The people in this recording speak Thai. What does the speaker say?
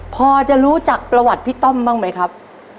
พอจะรู้จักประวัติพี่ต้อมบ้างไหมครับ